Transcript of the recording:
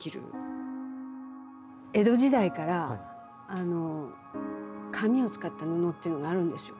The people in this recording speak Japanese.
江戸時代から紙を使った布っていうのがあるんですよ。